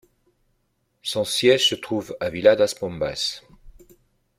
Son siège se trouve à Vila das Pombas.